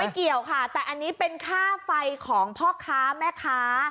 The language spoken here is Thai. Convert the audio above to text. เกี่ยวค่ะแต่อันนี้เป็นค่าไฟของพ่อค้าแม่ค้า